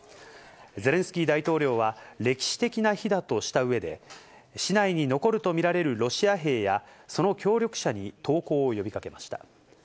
ゼレンスキー大統領は、歴史的な日だとしたうえで、市内に残ると見られるロシア兵や、その協力者に投降を呼びかけました。